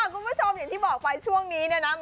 คุณผู้ชมอย่างที่บอกป่ะช่วงนี้